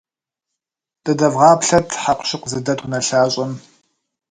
Дыдэвгъаплъэт хьэкъущыкъу зыдэт унэлъащӏэм.